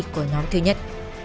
của nhóm thứ nhất